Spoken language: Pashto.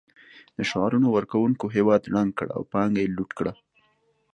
د شعارونو ورکونکو هېواد ړنګ کړ او پانګه یې لوټ کړه